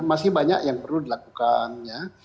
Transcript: masih banyak yang perlu dilakukan ya